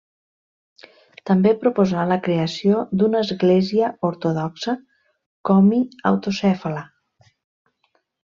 També proposà la creació d'una Església Ortodoxa Komi Autocèfala.